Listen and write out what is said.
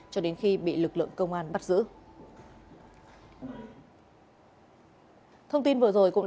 cho đến khi bị lực lượng công an bắt giữ